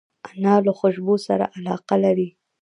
انا له خوشبو سره علاقه لري